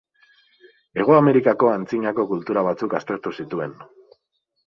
Hego Amerikako antzinako kultura batzuk aztertu zituen.